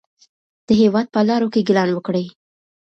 د هېواد په لارو کې ګلان وکرئ.